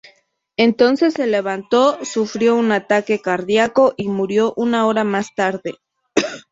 Entonces se levantó, sufrió un ataque cardíaco y murió una hora más tarde.